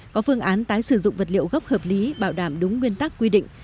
có phương án tái sử dụng vật liệu gốc hợp lý bảo đảm đúng nguyên tắc quy định